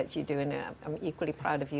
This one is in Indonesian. saya juga sangat bangga denganmu